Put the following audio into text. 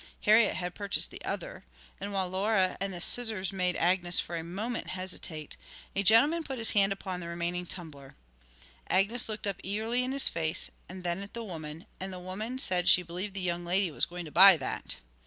Harriet had purchased the other, and while Laura and the scissors made Agnes for a moment hesitate, a gentleman put his hand upon the remaining tumbler. Agnes looked up eagerly in his face, and then at the woman; and the woman said she believed the young lady was going to buy that.